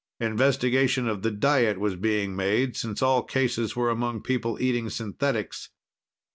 Investigation of the diet was being made, since all cases were among people eating synthetics.